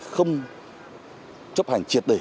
không chấp hành triệt đề